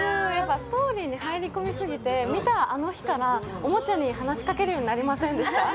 ストーリーに入り込みすぎて見たあの日から、おもちゃに話しかけるようになりませんでした？